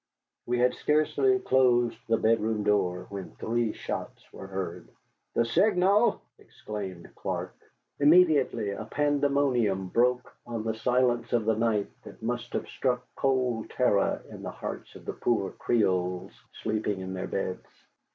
We had scarcely closed the bedroom door when three shots were heard. "The signal!" exclaimed Clark. Immediately a pandemonium broke on the silence of the night that must have struck cold terror in the hearts of the poor Creoles sleeping in their beds.